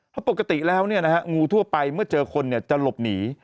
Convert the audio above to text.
เพราะปกติแล้วงูทั่วไปเมื่อเจอคนจะหลบหนี